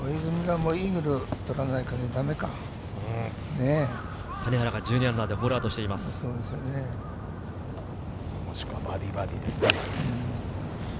もしくはバーディーバーディーですね。